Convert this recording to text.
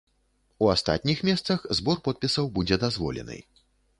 У астатніх месцах збор подпісаў будзе дазволены.